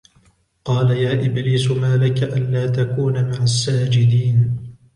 قال يا إبليس ما لك ألا تكون مع الساجدين